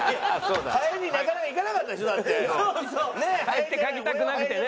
ハエって書きたくなくてね。